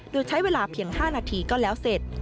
โดยใช้เวลาเพียง๕นาทีก็แล้วเสร็จ